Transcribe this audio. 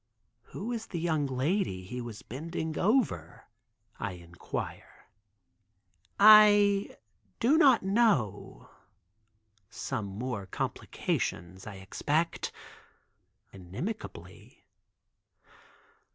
"Who is the young lady he was bending over," I inquire. "I do not know, some more complications I expect," inimicably.